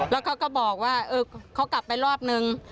แล้วเขาก็บอกว่าเขากลับไปรอบนึง